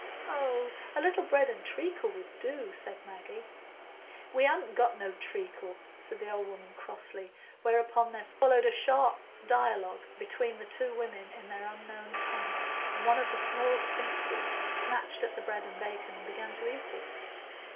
"Oh, a little bread and treacle would do," said Maggie. "We han't got no treacle," said the old woman, crossly, whereupon there followed a sharp dialogue between the two women in their unknown tongue, and one of the small sphinxes snatched at the bread and bacon, and began to eat it.